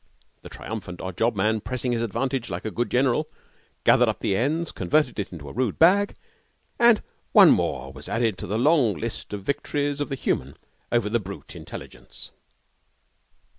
The triumphant odd job man, pressing his advantage like a good general, gathered up the ends, converted it into a rude bag, and one more was added to the long list of the victories of the human over the brute intelligence.